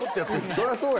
そりゃそうや。